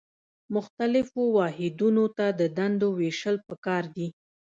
مختلفو واحدونو ته د دندو ویشل پکار دي.